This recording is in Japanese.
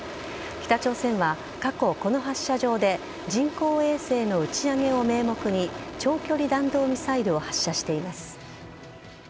北朝鮮は過去この発射場で人工衛星の打ち上げを名目に長距離弾道ミサイルを発射しています。